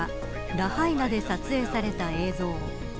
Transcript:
ラハイナで撮影された映像。